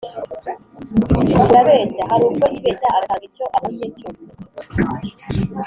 urabeshya hari ubwo yibeshya agatanga icyo abonye cyose"